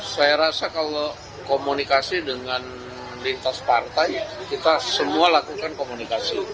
saya rasa kalau komunikasi dengan lintas partai kita semua lakukan komunikasi